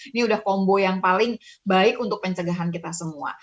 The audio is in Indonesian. ini udah kombo yang paling baik untuk pencegahan kita semua